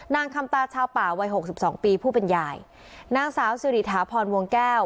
นางคำตาชาวป่าวัยหกสิบสองปีผู้เป็นยายนางสาวสิริถาพรวงแก้ว